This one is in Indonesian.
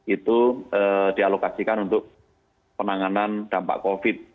itu dialokasikan untuk penanganan dampak covid